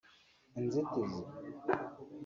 inzitizi